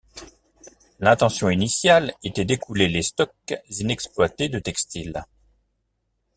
L'intention initiale était d'écouler les stocks inexploités de textile.